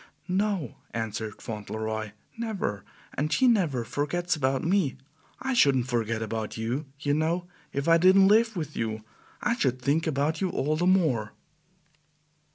"No," answered Fauntleroy, "never; and she never forgets about me. I shouldn't forget about YOU, you know, if I didn't live with you. I should think about you all the more."